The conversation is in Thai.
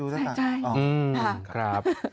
อืมค่ะ